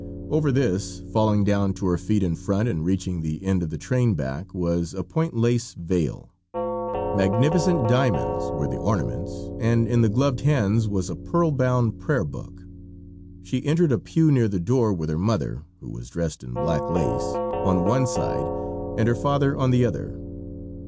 Over this, falling down to her feet in front and reaching the end of the train back, was a point lace veil. Magnificent diamonds were the ornaments, and in the gloved hands was a pearl bound prayer book. She entered a pew near the door with her mother who was dressed in black lace on one side and her father on the other.